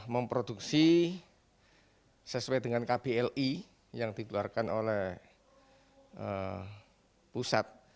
memproduksi sesuai dengan kbli yang dikeluarkan oleh pusat